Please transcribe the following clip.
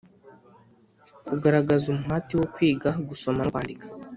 -kugaragaza umuhati wo kwiga gusoma no kwandika.